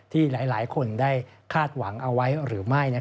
ที่หลายคนได้คาดหวังเอาไว้หรือไม่